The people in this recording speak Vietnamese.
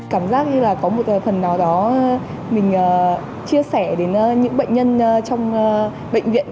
cảm giác như là có một phần nào đó mình chia sẻ đến những bệnh nhân trong bệnh viện